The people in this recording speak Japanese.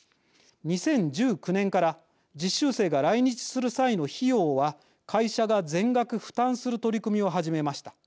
２０１９年から実習生が来日する際の費用は会社が全額負担する取り組みを始めました。